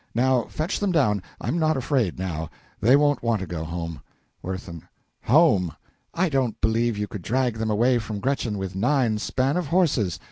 Now fetch them down. I'm not afraid now. They won't want to go home. WIRTHIN. Home! I don't believe you could drag them away from Gretchen with nine span of horses.